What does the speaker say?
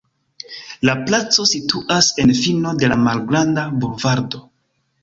La placo situas en fino de la malgranda bulvardo.